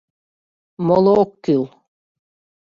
— Моло ок кӱл!..